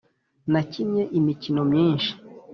nakinnye imikino myinshi